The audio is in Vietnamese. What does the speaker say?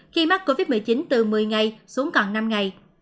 khi mắc covid một mươi chín từ một mươi ngày xuống còn năm ngày